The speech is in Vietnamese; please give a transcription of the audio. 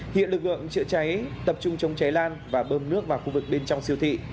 hiện lực lượng chữa cháy tập trung chống cháy lan và bơm nước vào khu vực bên trong siêu thị